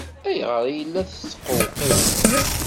Ayɣer ay la tesqewqiweḍ?